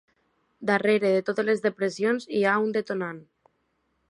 Darrere de totes les depressions hi ha un detonant.